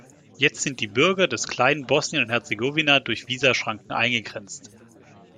Jetzt sind die Bürger des kleinen Bosnien und Herzegowina durch Visaschranken eingegrenzt.